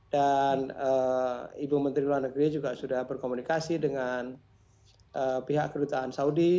dan ibu menteri luar negeri juga sudah berkomunikasi dengan pihak kedutaan saudi